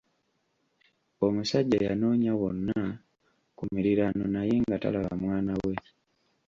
Omusajja yanoonya wonna ku miriraano naye nga talaba mwana we.